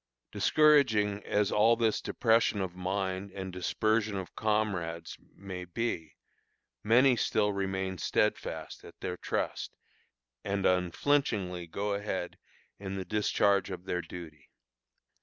Discouraging as all this depression of mind and dispersion of comrades may be, many still remain steadfast at their trust and unflinchingly go ahead in the discharge of their duty.